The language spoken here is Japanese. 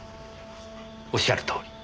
おっしゃるとおり。